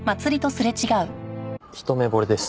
一目惚れです。